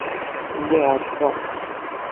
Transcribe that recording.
Lliɣ ɛetbeɣ.